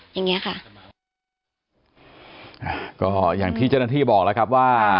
อย่างเงี้ยค่ะอ่าก็อย่างที่เจ้าหน้าที่บอกแล้วครับว่า